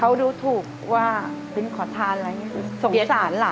เขาดูถูกว่าเป็นขอทานอะไรอย่างนี้สงสารล่ะ